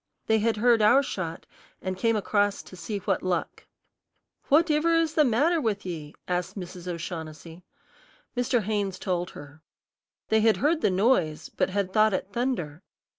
They had heard our shot, and came across to see what luck. "What iver is the matter with ye?" asked Mrs. O'Shaughnessy. Mr. Haynes told her. They had heard the noise, but had thought it thunder.